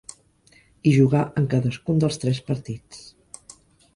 Hi jugà en cadascun dels tres partits.